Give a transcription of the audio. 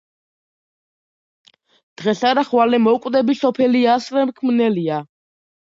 დღეს არა, ხვალე მოვკვდები, სოფელი ასრე მქმნელია